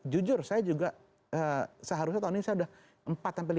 jujur saya juga seharusnya tahun ini saya sudah empat sampai lima puluh